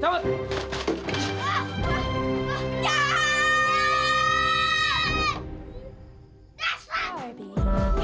dan gue peringatkan ya